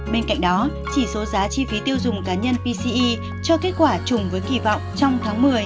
bên cạnh đó chỉ số giá chi phí tiêu dùng cá nhân pce cho kết quả chung với kỳ vọng trong tháng một mươi